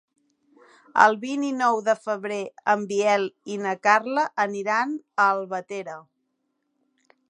El vint-i-nou de febrer en Biel i na Carla aniran a Albatera.